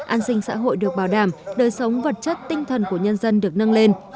an sinh xã hội được bảo đảm đời sống vật chất tinh thần của nhân dân được nâng lên